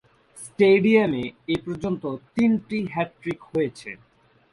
স্টেডিয়ামে এ পর্যন্ত তিনটি হ্যাট্রিক হয়েছে।